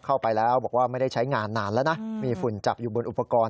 เข้าไปแล้วบอกว่าไม่ได้ใช้งานนานแล้วนะมีฝุ่นจับอยู่บนอุปกรณ์